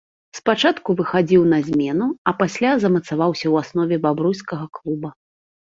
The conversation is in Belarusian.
Спачатку выхадзіў на замену, а пасля замацаваўся ў аснове бабруйскага клуба.